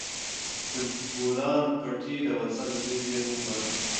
د بولان پټي د افغانستان د طبیعي زیرمو برخه ده.